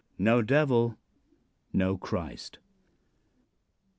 No Devil no Christ.